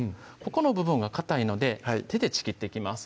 ここの部分はかたいので手でちぎっていきます